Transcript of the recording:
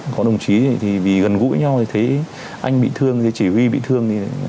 có đồng chí thì vì gần gũi nhau thì thấy anh bị thương thì chỉ huy bị thương